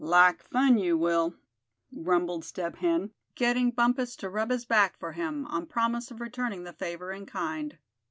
"Like fun you will," grumbled Step Hen, getting Bumpus to rub his back for him, on promise of returning the favor in kind.